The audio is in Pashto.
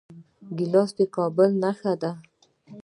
ګیلاس د کابل نښه ده.